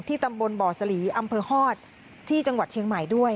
ตำบลบ่อสลีอำเภอฮอตที่จังหวัดเชียงใหม่ด้วย